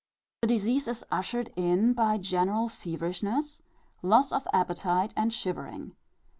The disease is ushered in by general feverishness, loss of appetite, and shivering.